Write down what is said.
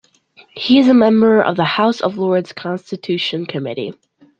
He is a member of the House of Lords Constitution Committee.